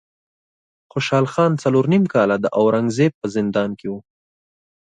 خوشحال خان څلور نیم کاله د اورنګ زیب په زندان کې و.